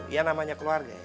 ya namanya keluarga ya